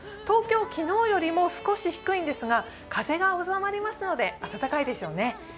東京、昨日よりも少し低いんですが風が収まりますので暖かいでしょうね。